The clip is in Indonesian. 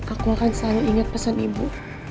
aku akan selalu ingat pesan ibu